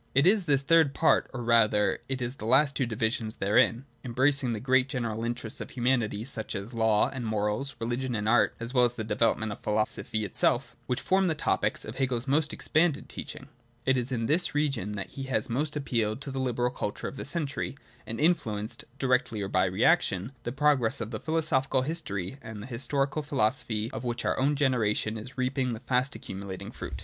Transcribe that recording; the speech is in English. It is this third part — or rather it is the last two divisions therein (embracing the great general interests of humanity, such as law and morals, religion and art, as well as the development of philosophy itself) which form the topics of Hegel's most expanded teaching. It is in this region that he has most appealed to the liberal culture of the century, and influenced (directly or by reaction) the progress of that philosophical history and historical philosophy of which our own generation is reaping the fast accumu lating fruit.